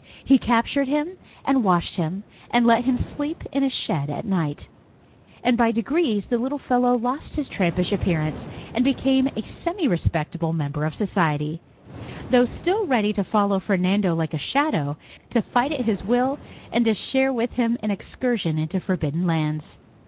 He captured him and washed him, and let him sleep in a shed at night, and by degrees the little fellow lost his trampish appearance, and became a semi re spectable member of society, though still ready to follow Fernando like a shadow, to fight at his will, and to share with him an excursion into forbidden lands.